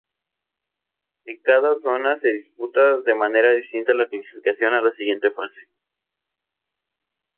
En cada zona se disputa de manera distinta la clasificación a la siguiente fase.